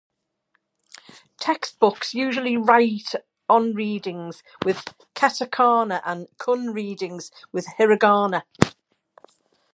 Textbooks usually write on-readings with katakana and kun-readings with hiragana.